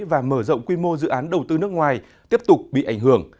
và mở rộng quy mô dự án đầu tư nước ngoài tiếp tục bị ảnh hưởng